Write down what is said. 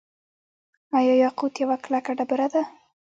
آیا یاقوت یوه کلکه ډبره ده؟